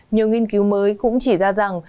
nhiều nghiên cứu mới cũng chỉ ra rằng